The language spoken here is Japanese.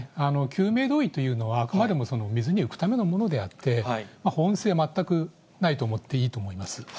救命胴衣というのは、あくまでも水に浮くためのものであって、保温性は全くないと思っていいと思います。